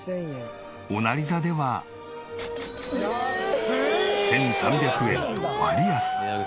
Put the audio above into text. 御成座では１３００円と割安。